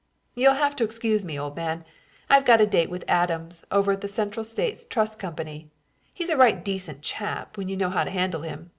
"You'll have to excuse me, old man. I've got a date with Adams, over at the Central States Trust Company. He's a right decent chap when you know how to handle him.